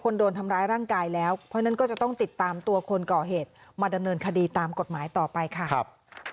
โดนทำร้ายร่างกายแล้วเพราะฉะนั้นก็จะต้องติดตามตัวคนก่อเหตุมาดำเนินคดีตามกฎหมายต่อไปค่ะครับ